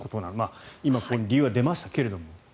今、理由は出ましたけれども。